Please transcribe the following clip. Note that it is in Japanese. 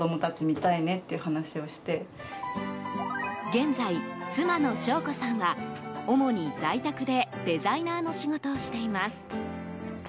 現在、妻の梢子さんは主に在宅でデザイナーの仕事をしています。